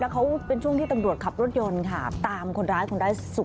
และมันเป็นช่วงที่ตรงจพรรดิขับมันรถยนต์